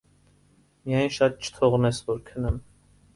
Միայն շատ չթողնես, որ քնեմ: